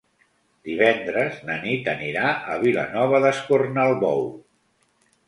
Divendres na Nit anirà a Vilanova d'Escornalbou.